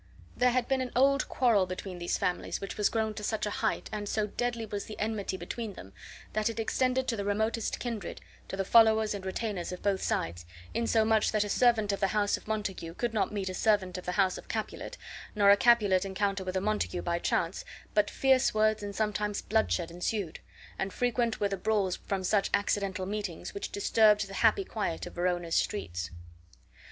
There had been an old quarrel between these families, which was grown to such a height, and so deadly was the enmity between them, that it extended to the remotest kindred, to the followers and retainers of both sides, in so much that a servant of the house of Montague could not meet a servant of the house of Capulet, nor a Capulet encounter with a Montague by chance, but fierce words and sometimes bloodshed ensued; and frequent were the brawls from such accidental meetings, which disturbed the happy quiet of Verona's streets.